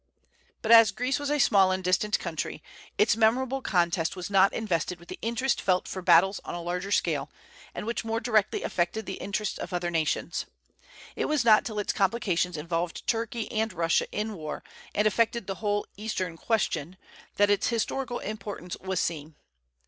But as Greece was a small and distant country, its memorable contest was not invested with the interest felt for battles on a larger scale, and which more directly affected the interests of other nations. It was not till its complications involved Turkey and Russia in war, and affected the whole "Eastern Question," that its historical importance was seen.